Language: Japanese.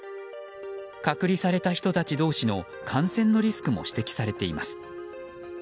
隔離された人たち同士の感染のリスクも指摘されています。